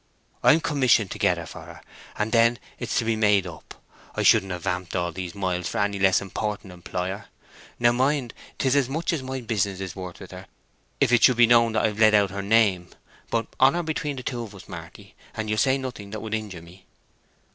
I'm commissioned to get it for her, and then it is to be made up. I shouldn't have vamped all these miles for any less important employer. Now, mind—'tis as much as my business with her is worth if it should be known that I've let out her name; but honor between us two, Marty, and you'll say nothing that would injure me?"